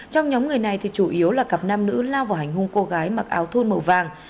trong nhóm người này thì chủ yếu là cặp nam nữ lao vào hành hung cô gái mặc áo thun màu vàng